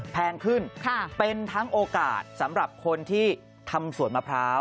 แพงขึ้นเป็นทั้งโอกาสสำหรับคนที่ทำสวนมะพร้าว